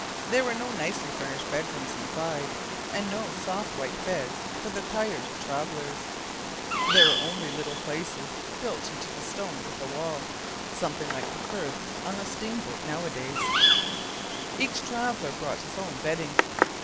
There were no nicely furnished bed rooms inside, and no soft white beds for the tired travelers; there were only little places built into the stones of the wall, something like the berths on steamboats nowadays, and each traveler brought his own bedding.